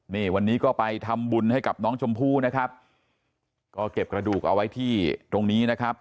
นี่วันนี้ก็ไปทำบุญให้กับน้องชมพู่นะครับก็เก็บกระดูกเอาไว้ที่ตรงนี้นะครับ